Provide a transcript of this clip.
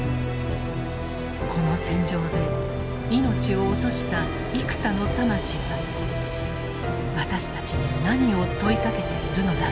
この戦場で命を落とした幾多の魂は私たちに何を問いかけているのだろうか。